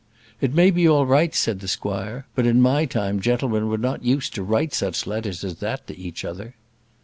"It may be all right," said the squire; "but in my time gentlemen were not used to write such letters as that to each other."